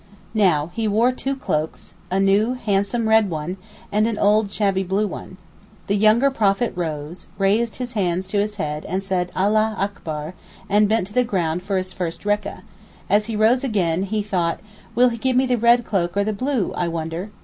Now he wore two cloaks—a new handsome red one and an old shabby blue one. The younger prophet rose, raised his hands to his head, said Allah akbar, and bent to the ground for his first rekah; as he rose again he thought "Will he give me the red cloak or the blue, I wonder?"